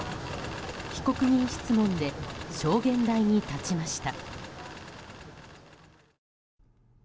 被告人質問で証言台に立ちました。